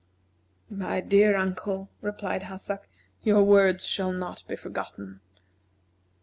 "My dear uncle," replied Hassak, "your words shall not be forgotten."